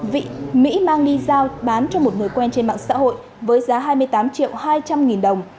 vị mỹ mang đi giao bán cho một người quen trên mạng xã hội với giá hai mươi tám triệu hai trăm linh nghìn đồng